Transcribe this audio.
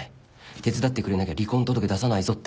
手伝ってくれなきゃ離婚届出さないぞって。